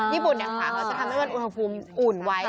ญี่ปุ่นฝามันจะทำให้มันอุ่นไว้